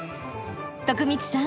徳光さん